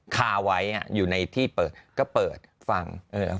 คาไว้อยู่ในที่เปิดก็เปิดฟัง